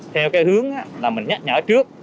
theo cái hướng là mình nhắc nhở trước